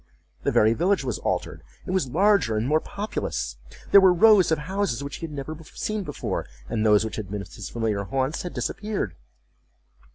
The very village was altered; it was larger and more populous. There were rows of houses which he had never seen before, and those which had been his familiar haunts had disappeared.